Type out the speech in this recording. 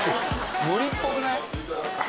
無理っぽくない？